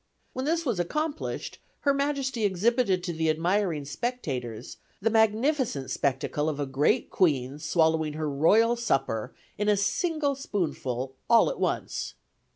When this was accomplished, her majesty exhibited to the admiring spectators, the magnificent spectacle of a great queen swallowing her royal supper in a single spoonful all at once.